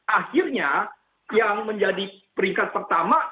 akhirnya yang menjadi peringkat pertama